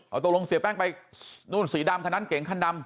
เอาตกลงเสียแป้งไปนู่นสีดำคันนั้นเก๋งคันดำ